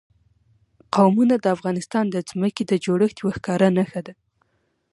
قومونه د افغانستان د ځمکې د جوړښت یوه ښکاره نښه ده.